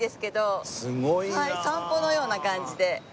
散歩のような感じで。